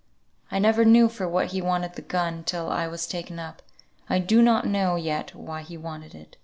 "I never knew for what he wanted the gun till I was taken up, I do not know yet why he wanted it.